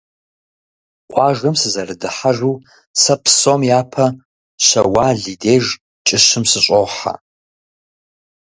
Къуажэм сызэрыдыхьэжу сэ псом япэ Щэуал и деж, кӀыщым, сыщӀохьэ.